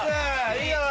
いいよ！